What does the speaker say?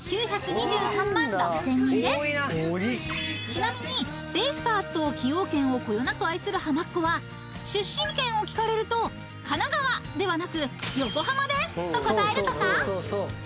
［ちなみにベイスターズと崎陽軒をこよなく愛する「はまっ子」は出身県を聞かれると「神奈川」ではなく「横浜です」と答えるとか］